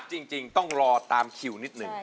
จริงต้องรอตามคิวนิดหนึ่ง